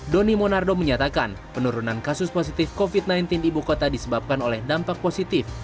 doni monardo menyatakan penurunan kasus positif covid sembilan belas ibu kota disebabkan oleh dampak positif